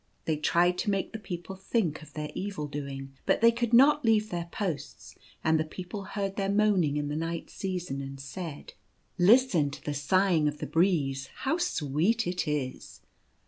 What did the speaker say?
They tried to make the people think of their evil doing ; but they could not leave their posts, and the people heard their moaning in the night season, and said, " Listen to the sighing of the breeze; how sweet it is!"